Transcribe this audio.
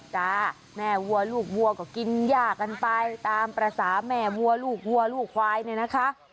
จ้าแม่วัวลูกวัวก็กินย่ากันไปตามภาษาแม่วัวลูกวัวลูกควายเนี่ยนะคะ